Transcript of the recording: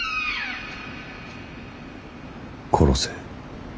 殺せ。